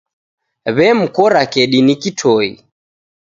Wemkora kedi ni kitoi.